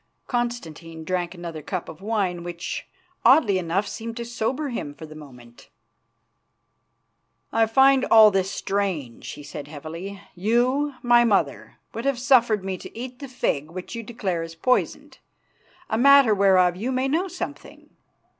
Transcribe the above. Constantine drank another cup of wine, which, oddly enough, seemed to sober him for the moment. "I find all this strange," he said heavily. "You, my mother, would have suffered me to eat the fig which you declare is poisoned; a matter whereof you may know something.